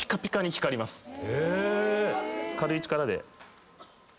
軽い力で。